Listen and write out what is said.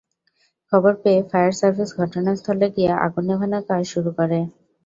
খবর পেয়ে fire service ঘটনাস্থলে গিয়ে আগুন নেভানোর কাজ শুরু করে।